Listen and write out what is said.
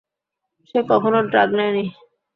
সে কখনো ড্রাগ নেয় নি।